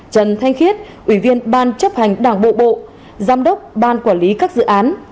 trần thanh khiết ủy viên ban chấp hành đảng bộ bộ giám đốc ban quản lý các dự án